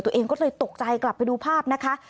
ตัวเองก็เลยตกใจกลับไปดูภาพนะคะ